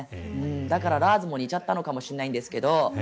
だから、ラーズも似ちゃったのかもしれないんですけど。